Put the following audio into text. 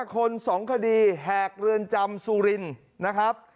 คน๒คดีแหกเรือนจำสุรินนะครับ